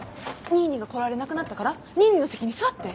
ニーニーが来られなくなったからニーニーの席に座って！